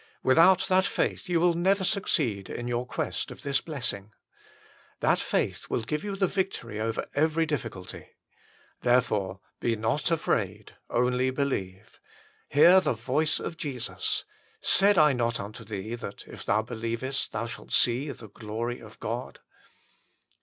Without that faith you will never succeed in your quest of this blessing. That faith will give you the victory over every difficulty. Therefore, " be not afraid : only believe." Hear the voice of Jesus :" Said I not unto thee that if thou believest thou shalt see the glory of God